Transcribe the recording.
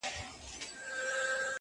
o جرس فرهاد زما نژدې ملگرى.